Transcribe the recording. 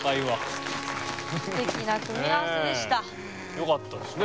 よかったですね